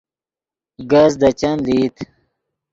کز دے چند لئیت